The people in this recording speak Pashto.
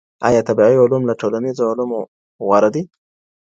آیا طبیعي علوم له ټولنیزو علومو غوره دي؟